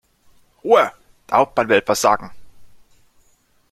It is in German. Ruhe! Der Hauptmann will etwas sagen.